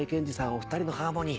お二人のハーモニー